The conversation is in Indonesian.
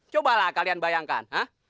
cobalah kalian bayangkan